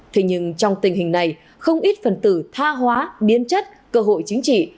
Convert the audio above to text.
thế nhưng trong tình hình này không ít phần tử tha hóa biến chất cơ hội chính trị